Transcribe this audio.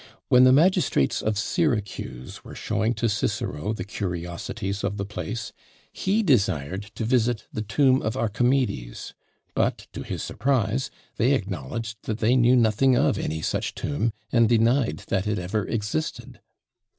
When the magistrates of Syracuse were showing to Cicero the curiosities of the place, he desired to visit the tomb of Archimedes; but, to his surprise, they acknowledged that they knew nothing of any such tomb, and denied that it ever existed.